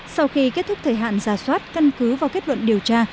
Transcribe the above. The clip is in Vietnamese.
sau khi kết thúc thời hạn giả soát căn cứ vào kết luận điều tra